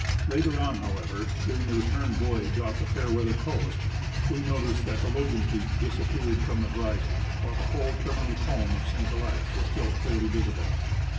Later on, however, during the return voyage off the Fairweather coast, we noticed that the Logan peak disappeared from the horizon, while the whole terminal cone of St. Elias was still clearly visible.